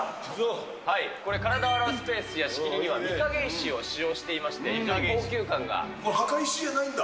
これ、体を洗うスペースの仕切りには御影石を使用していまして、高級感墓石じゃないんだ？